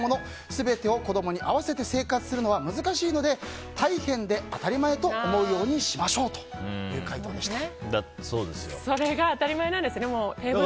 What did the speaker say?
全てを子供に合わせて生活するのは難しいので、大変で当たり前と思うようにしましょうというそれが当たり前なんですね。